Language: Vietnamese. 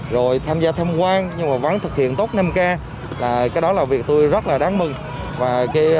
rồi tham gia tham quan nhưng mà vẫn thực hiện tốt năm k cái đó là việc tôi rất là đáng mừng và